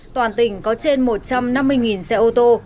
toàn tỉnh có trên một trăm năm mươi xe ô tô